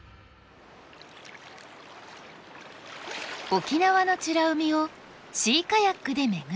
沖縄の美ら海をシーカヤックで巡る旅。